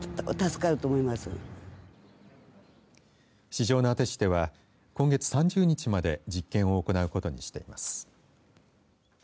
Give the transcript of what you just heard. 四條畷市では今月３０日まで実験を行うことにしています。